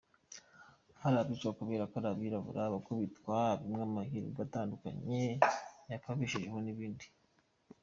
Hari abicwa kubera ko ari abirabura, abakubitwa, abimwa amahirwe atandukanye yakababeshejeho n’ibindi.